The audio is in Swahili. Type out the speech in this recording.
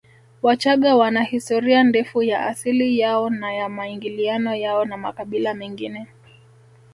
Wachagga wana historia ndefu ya asili yao na ya maingiliano yao na makabila mengine